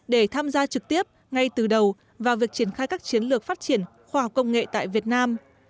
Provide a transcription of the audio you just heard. để tham gia trực tiếp ngay từ đầu vào việc triển khai các chiến lược phát triển khoa học công nghệ tại việt nam